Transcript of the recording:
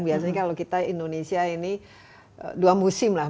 biasanya kalau kita indonesia ini dua musim lah